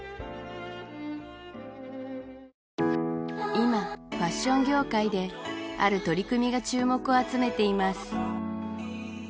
今ファッション業界である取り組みが注目を集めています